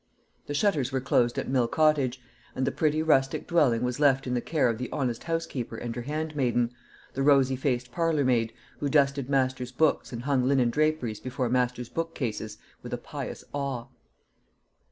The shutters were closed at Mill Cottage, and the pretty rustic dwelling was left in the care of the honest housekeeper and her handmaiden, the rosy faced parlour maid, who dusted master's books and hung linen draperies before master's bookcases with a pious awe.